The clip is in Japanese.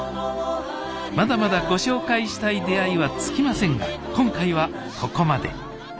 まだまだご紹介したい出会いは尽きませんが今回はここまで。